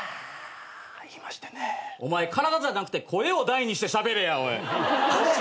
お前体じゃなくて声を大にしてしゃべれやおい。